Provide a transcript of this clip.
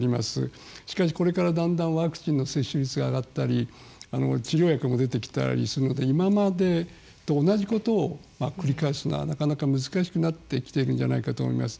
しかしこれからだんだんワクチンの接種率が上がったり治療薬も出てきたりするので今までと同じことを繰り返すのはなかなか難しくなってきているんじゃないかと思います。